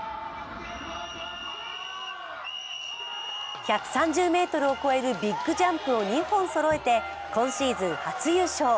１３０ｍを超えるビッグジャンプを２本そろえて今シーズン初優勝。